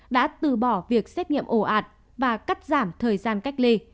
đã từ bỏ việc xét nghiệm ổ ạt và cắt giảm thời gian cách ly